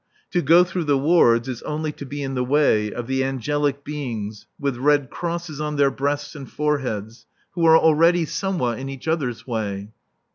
To go through the wards is only to be in the way of the angelic beings with red crosses on their breasts and foreheads who are already somewhat in each other's way.